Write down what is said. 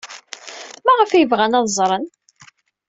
Maɣef ay bɣan ad ẓren?